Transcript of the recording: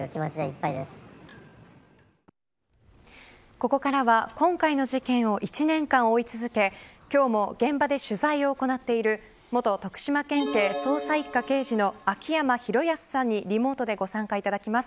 ここからは今回の事件を１年間追い続け今日も現場で取材を行っている元徳島県警捜査一課刑事の秋山博康さんにリモートでご参加いただきます。